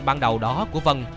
ban đầu đó của vân